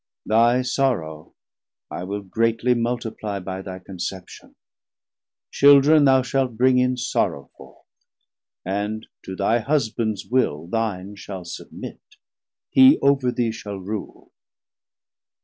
Thy sorrow I will greatly multiplie By thy Conception; Children thou shalt bring In sorrow forth, and to thy Husbands will Thine shall submit, hee over thee shall rule.